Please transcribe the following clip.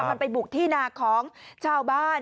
มันไปบุกที่นาของชาวบ้าน